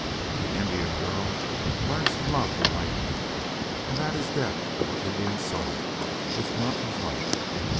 The Indian girl learns to love the white man and that is death of her Indian soul, if not of life.